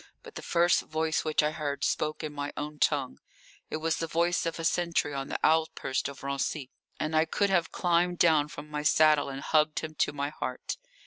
But the first voice which I heard spoke in my own tongue. It was the voice of a sentry on the outposts of Raincy, and I could have climbed down from my saddle and hugged him to my heart.